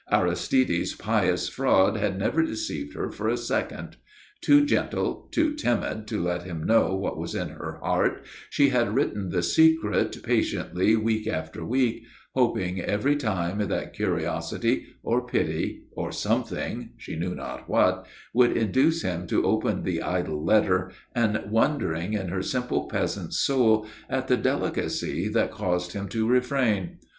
Aristide's pious fraud had never deceived her for a second. Too gentle, too timid to let him know what was in her heart, she had written the secret patiently week after week, hoping every time that curiosity, or pity, or something she knew not what would induce him to open the idle letter, and wondering in her simple peasant's soul at the delicacy that caused him to refrain.